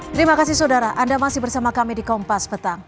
terima kasih saudara anda masih bersama kami di kompas petang